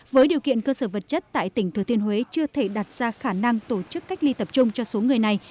với điều kiện cơ sở vật chất tại tỉnh thừa thiên huế chưa thể đặt ra khả năng tổ chức cách ly tập trung cho số người này